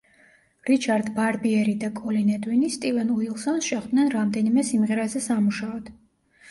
რიჩარდ ბარბიერი და კოლინ ედვინი სტივენ უილსონს შეხვდნენ რამდენიმე სიმღერაზე სამუშაოდ.